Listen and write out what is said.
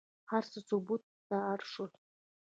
هر څه ثبت ته اړ شول.